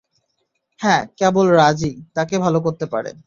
হ্যাঁ, কেবল রাজই, তাকে ভালো করতে পারে।